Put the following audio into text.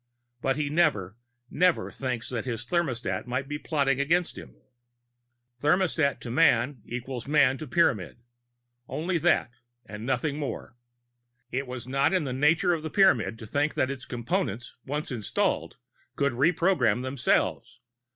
But he never, never thinks that his thermostat might be plotting against him. Thermostat : Man = Man : Pyramid. Only that and nothing more. It was not in the nature of a Pyramid to think that its Components, once installed, could reprogram themselves.